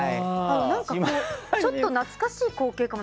ちょっと懐かしい光景かも。